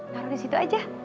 taruh disitu aja